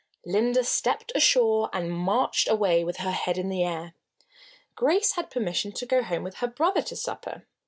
Linda stepped ashore and marched away with her head in the air. Grace had permission to go home with her brother to supper.